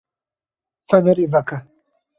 Fenerê veke.